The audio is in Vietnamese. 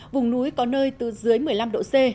vùng núi có nơi từ dưới một mươi năm độ c